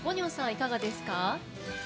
いかがですか？